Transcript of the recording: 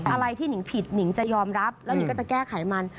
อะไรที่หนิงผิดหนิงจะยอมรับแล้วนิงก็จะแก้ไขมัน